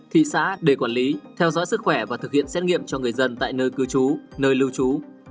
thị xã để quản lý theo dõi sức khỏe và thực hiện xét nghiệm cho người dân tại nơi cư trú nơi lưu trú